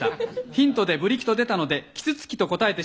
ヒントで「ブリキ」と出たので「キツツキ」と答えてしまいました。